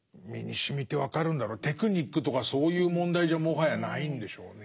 テクニックとかそういう問題じゃもはやないんでしょうね。